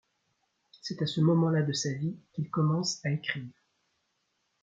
C'est à ce moment-là de sa vie, qu'il commence à écrire.